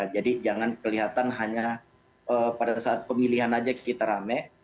jadi jangan kelihatan hanya pada saat pemilihan saja kita rame